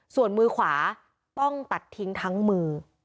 ส่วนมือขวาต้องตัดทิ้งทั้งมือ